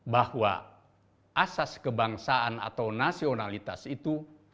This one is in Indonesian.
bahwa asas kebangsaan atau nasionalitas itu